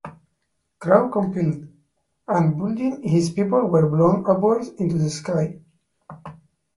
Crow complied, and Bunjil and his people were blown upwards into the sky.